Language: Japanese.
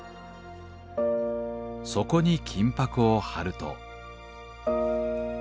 そこに金箔を貼ると。